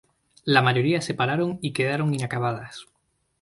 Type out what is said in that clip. La mayoría se pararon y quedaron inacabadas.